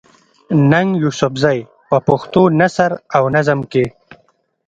ننګ يوسفزۍ په پښتو نثر او نظم کښې